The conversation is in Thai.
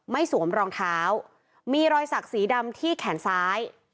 สวมรองเท้ามีรอยสักสีดำที่แขนซ้าย